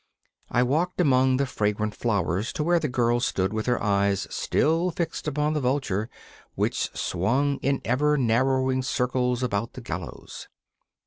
I walked among the fragrant flowers to where the girl stood with her eyes still fixed upon the vulture, which swung in ever narrowing circles about the gallows.